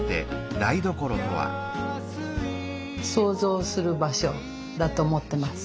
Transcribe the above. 創造する場所だと思ってます。